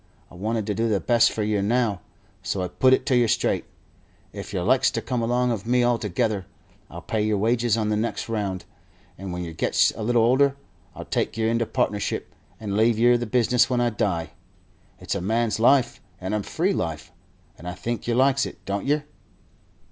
I want to do the best for yer now, so I put it to yer straight: If yer likes to come along of me altogether, I'll pay yer wages on the next round, and when yer gets a little older I'll take yer into partnership and leave yer the business when I die. It's a man's life and a free life, and I think yer likes it, don't yer?"